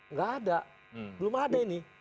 nggak ada belum ada ini